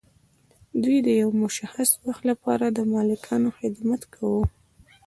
دوی د یو مشخص وخت لپاره د مالکانو خدمت کاوه.